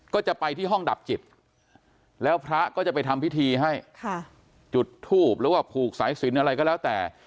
ก็จะไปที่ห้องดับจิตแล้วพระก็จะไปทำพิธีให้จุดทูบหรือว่าผูกสายสินอะไรก็แล้วแต่